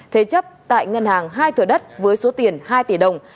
thế chấp tại ngân hàng hai thừa đất với số tiền hai tỷ đồng